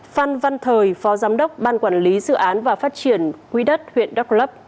phan văn thời phó giám đốc ban quản lý dự án và phát triển quỹ đất huyện đắk lấp